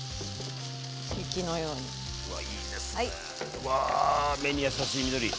うわあ目に優しい緑。